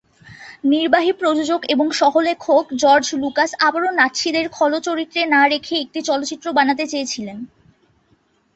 নির্বাহী প্রযোজক এবং সহ-লেখক "জর্জ লুকাস" আবারো "নাৎসি"দের খল চরিত্রে না রেখে একটি চলচ্চিত্র বানাতে চেয়েছিলেন।